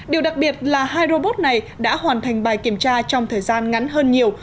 điều đặc biệt là hai robot này đã hoàn thành bài kiểm tra trong thời gian ngắn hơn nhiều